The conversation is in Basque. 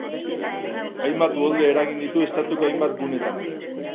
Hainbat uholde eragin ditu estatuko hainbat gunetan.